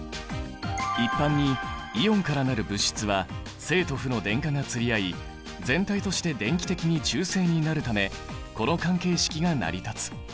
一般にイオンから成る物質は正と負の電荷が釣り合い全体として電気的に中性になるためこの関係式が成り立つ。